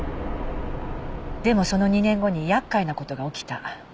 でもその２年後に厄介な事が起きた。